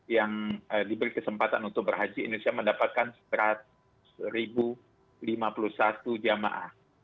yang diberi kesempatan untuk berhaji indonesia mendapatkan seratus lima puluh satu jamaah